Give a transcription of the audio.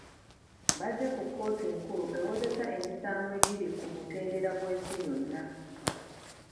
Bazze ku kkooti enkulu ewozesa emisango egiri ku mutendera gw’ensi yonna.